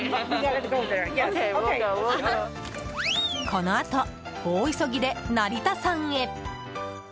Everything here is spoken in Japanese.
このあと、大急ぎで成田山へ。